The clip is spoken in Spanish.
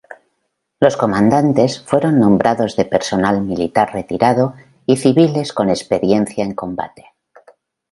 Los comandantes fueron nombrados de personal militar retirado y civiles con experiencia en combate.